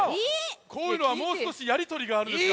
こういうのはもうすこしやりとりがあるんですが。